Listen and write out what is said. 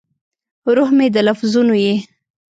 روح مې د لفظونو یې